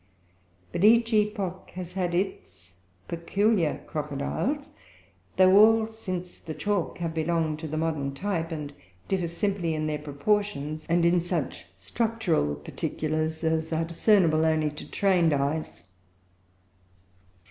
But each epoch has had its peculiar crocodiles; though all, since the chalk, have belonged to the modern type, and differ simply in their proportions, and in such structural particulars as are discernible only to trained eyes.